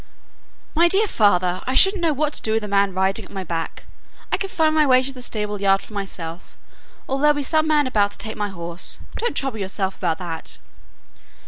"My dear father! I shouldn't know what to do with a man riding at my back. I can find my way to the stable yard for myself, or there'll be some man about to take my horse. Don't trouble yourself about that."